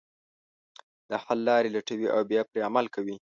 د حل لارې لټوي او بیا پرې عمل کوي.